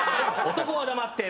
男は黙って。